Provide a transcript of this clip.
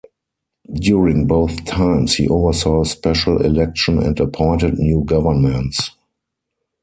During both times he oversaw special election and appointed new governments.